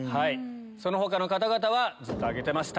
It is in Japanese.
その他の方々はずっと挙げてました。